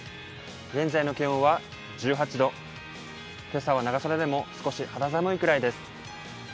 現在の気温は１８度、今朝は長袖でも少し肌寒いくらいです。